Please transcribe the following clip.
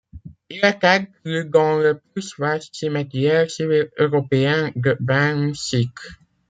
Il est inclus dans le plus vaste cimetière civil européen de Ben M'Sick.